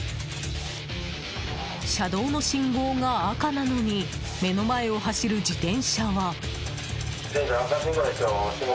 車道の信号が赤なのに目の前を走る自転車は。